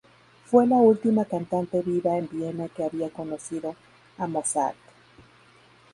Fue la última cantante viva en Viena que había conocido a Mozart.